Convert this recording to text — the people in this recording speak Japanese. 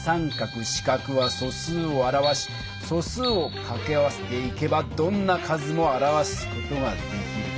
□は素数を表し素数をかけ合わせていけばどんな数も表す事ができる。